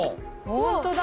本当だ。